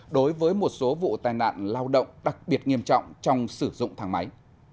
đối với một số vụ tai nạn lao động đặc biệt nghiêm trọng trong sử dụng thang máy